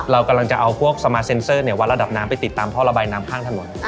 เรากำลังจะเอาพวกสมาร์เซ็นเซอร์วัดระดับน้ำไปติดตามท่อระบายน้ำข้างถนน